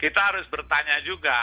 kita harus bertanya juga